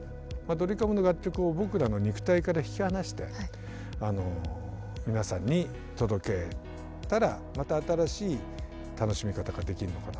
ドリカムの楽曲を僕らの肉体から引き離して皆さんに届けたらまた新しい楽しみ方ができるのかなと。